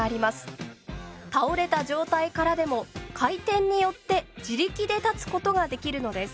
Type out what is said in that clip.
倒れた状態からでも回転によって自力で立つことができるのです。